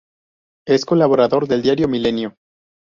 Es colaborador del diario Milenio.